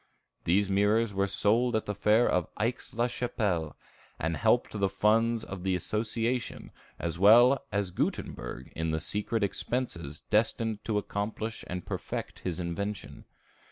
These mirrors were sold at the fair of Aix la Chapelle, and helped the funds of the association, as well as Gutenberg in the secret expenses destined to accomplish and perfect his invention.